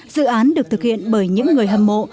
dự án được thực hiện bởi những người hâm mộ